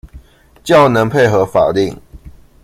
較能配合法令